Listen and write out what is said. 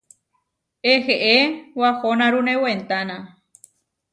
Eheé, wahonárune wentána.